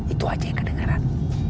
itu saja yang kedengaran